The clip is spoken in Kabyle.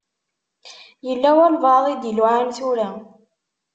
Yella walebɛaḍ i d-iluɛan tura.